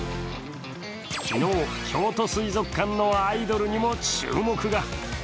昨日、京都水族館のアイドルにも注目が。